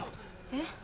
えっ？